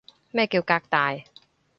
咩叫革大